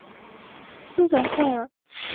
斯滕克尔。